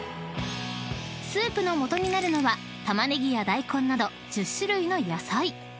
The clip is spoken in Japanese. ［スープのもとになるのは玉ねぎや大根など１０種類の野菜］